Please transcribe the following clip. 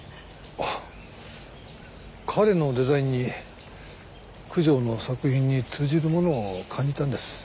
あっ彼のデザインに九条の作品に通じるものを感じたんです。